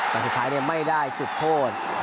แต่สุดท้ายไม่ได้จุดโทษ